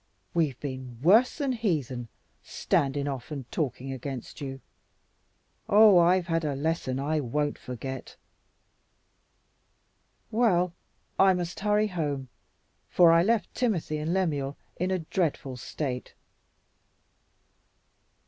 We've been worse than heathen, standin' off and talking against you. Oh, I've had a lesson I won't forget! Well, I must hurry home, for I left Timothy and Lemuel in a dreadful state."